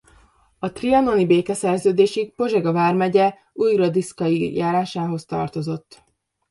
A trianoni békeszerződésig Pozsega vármegye Újgradiskai járásához tartozott.